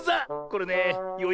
これねよ